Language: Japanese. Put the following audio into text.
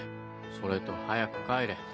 それと早く帰れ。